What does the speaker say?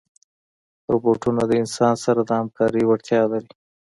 روبوټونه د انسان سره د همکارۍ وړتیا لري.